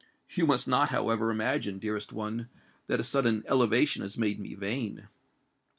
You must not, however, imagine, dearest one, that a sudden elevation has made me vain."